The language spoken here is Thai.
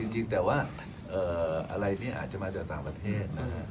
จริงแต่ว่าอะไรเนี่ยอาจจะมาจากต่างประเทศ